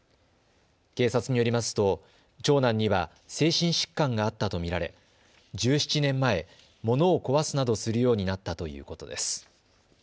警察によりますと長男には精神疾患があったと見られ１７年前、物を壊すなどするようになったということです。